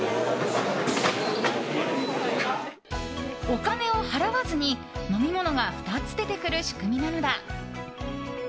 お金を払わずに、飲み物が２つ出てくる仕組みなのだ。